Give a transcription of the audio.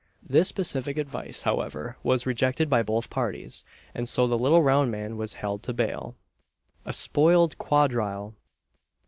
This pacific advice, however, was rejected by both parties, and so the little round man was held to bail. A SPOILED QUADRILLE.